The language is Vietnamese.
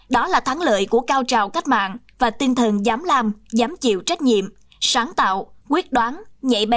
đó là thắng lợi của cao trào cách mạng và tinh thần dám làm dám chịu trách nhiệm sáng tạo quyết đoán nhảy bén